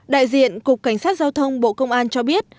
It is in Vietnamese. đại diện cục cảnh sát giao thông bộ công an cho biết